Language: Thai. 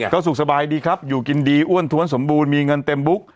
ก็สุขสบายดีครับอยู่กินดีอ้วนท้วนสมบูรณ์มีเงินเต็มบุ๊ก